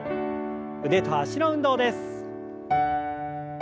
腕と脚の運動です。